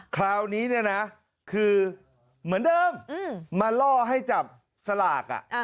คราวนี้เนี่ยนะคือเหมือนเดิมมาล่อให้จับสลาก